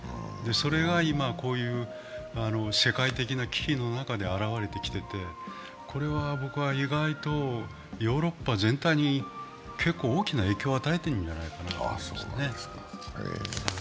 それが今、こういう世界的な危機の中で現れてきていてこれは意外とヨーロッパ全体に結構大きな影響を与えているんじゃないかと思いますね。